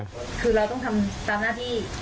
คือเราต้องทำตามหน้าที่